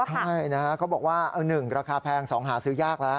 ใช่นะฮะเขาบอกว่า๑ราคาแพง๒หาซื้อยากแล้ว